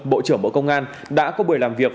bộ trưởng bộ công an đã có buổi làm việc